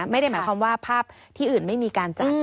ไม่ได้หมายความว่าภาพที่อื่นไม่มีการจัด